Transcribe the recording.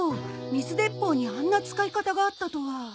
水でっぽうにあんな使い方があったとは。